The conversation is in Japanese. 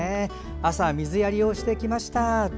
朝、水やりをしてきました。